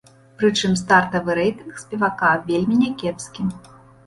Прычым стартавы рэйтынг спевака вельмі някепскі.